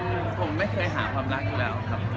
คือผมไม่เคยหาความรักอยู่แล้วครับ